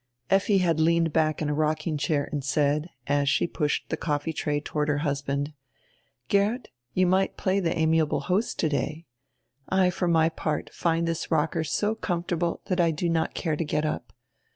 Effi had leaned back in a rocking chair and said, as she pushed tire coffee tray toward her husband: "Geert, you might play die amiable host today. I for my part find this rocker so comfortable that I do not care to get up.